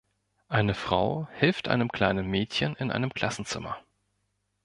Eine Frau hilft einem kleinen Mädchen in einem Klassenzimmer.